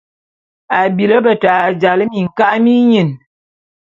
A bili beta jal minka’a minyin.